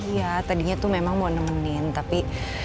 iya tadinya tuh memang mau nemenin tapi